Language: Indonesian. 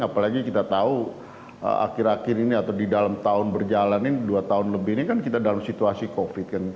apalagi kita tahu akhir akhir ini atau di dalam tahun berjalan ini dua tahun lebih ini kan kita dalam situasi covid kan